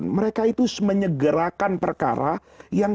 mereka itu menyegerakan perkara yang